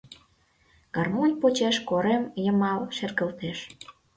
Гармонь почеш корем йымал шергылтеш: